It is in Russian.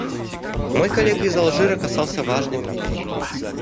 Мой коллега из Алжира касался важной проблемы.